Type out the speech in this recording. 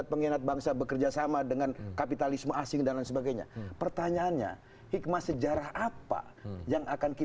termasuk keterlibatan bung karno